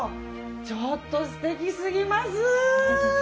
ちょっと素敵すぎます！